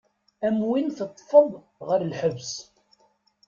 Am win teṭṭfeḍ ɣer lḥebs.